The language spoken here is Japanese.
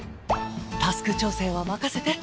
タスク調整は任せて。